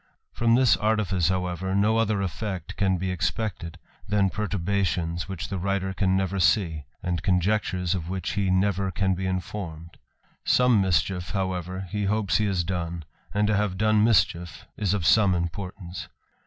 From this artifice, however, no other effect can be expected, than perturbations which the writer can never see, am conjectures of which he never can be informed : som mischief, however, he hopes he has done ; and to have done^ mischief, is of some importance.